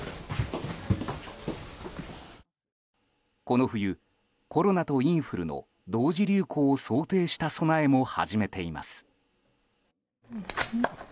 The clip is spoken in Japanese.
この冬、コロナとインフルの同時流行を想定した備えも始めています。